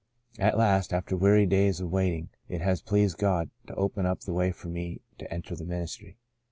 At last, after weary days of waiting, it has pleased God to open up the way for me to enter the ministry.